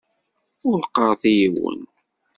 Ur qqaṛet i yiwen.